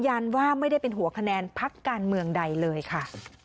ว่าไม่ได้เป็นหัวคะแนนพักการเมืองใดเลยค่ะ